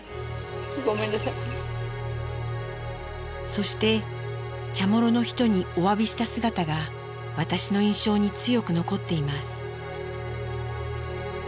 そしてチャモロの人におわびした姿が私の印象に強く残っています。